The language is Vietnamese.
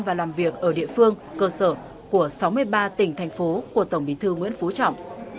và làm việc ở địa phương cơ sở của sáu mươi ba tỉnh thành phố của tổng bí thư nguyễn phú trọng